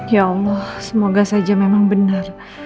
ya allah semoga saja memang benar